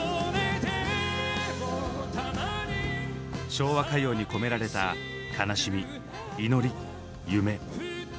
昭和歌謡に込められた悲しみ祈り夢。